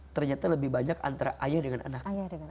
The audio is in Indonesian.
ternyata lebih banyak antara ayah dengan anak